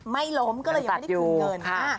ไม่ล้มก็เลยยังไม่ได้คืนเงิน